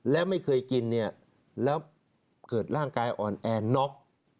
และไม่เคยกินเนี่ยแล้วเกิดร่างกายอ่อนแอน็อก